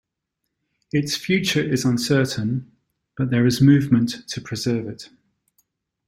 Its future is uncertain, but there is movement to preserve it.